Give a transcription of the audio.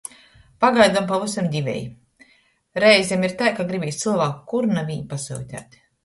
Pagaidom pavysam diveji... Reizem ir tai, ka gribīs cylvāku kur naviņ pasyuteit.